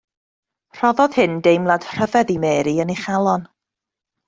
Rhoddodd hyn deimlad rhyfedd i Mary yn ei chalon.